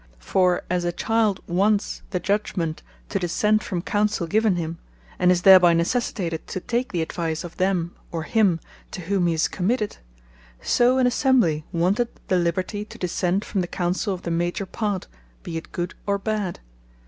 For as a Child wants the judgement to dissent from counsell given him, and is thereby necessitated to take the advise of them, or him, to whom he is committed: So an Assembly wanteth the liberty, to dissent from the counsell of the major part, be it good, or bad.